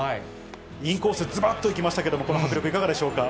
インコース、ずばっといきましたけれども、この迫力、いかがでしょうか。